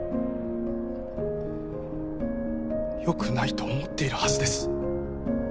よくないと思っているはずです！